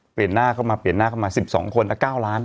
เปลี่ยนหน้าเข้ามาเปลี่ยนหน้าเข้ามา๑๒คนแต่๙ล้าน